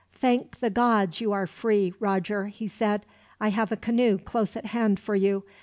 "Thank the gods you are free, Roger," he said. "I have a canoe close at hand for you.